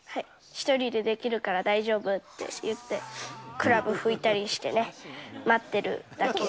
１人でできるから大丈夫って言って、クラブ拭いたりしてね、待ってるだけ。